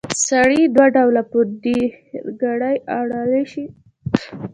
سړی دوه ډوله په ډېرګړي اړولی شو؛ سړي، سړيان.